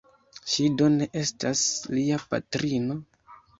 Ŝi do ne estas lia patrino?